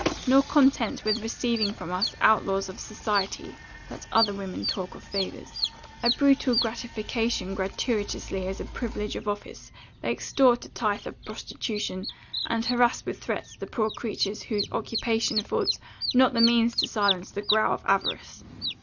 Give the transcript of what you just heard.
Not content with receiving from us, outlaws of society (let other women talk of favours) a brutal gratification gratuitously as a privilege of office, they extort a tithe of prostitution, and harrass with threats the poor creatures whose occupation affords not the means to silence the growl of avarice.